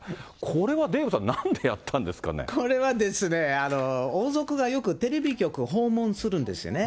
これはデーブさん、これはですね、王族がよくテレビ局訪問するんですよね。